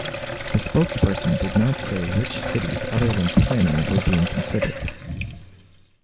The spokesperson did not say which cities other than Plano were being considered.